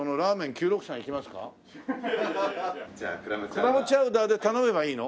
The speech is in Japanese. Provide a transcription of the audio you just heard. クラムチャウダーで頼めばいいの？